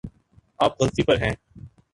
آپ غلطی پر ہیں